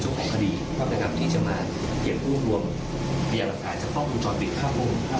หกสิบล้าน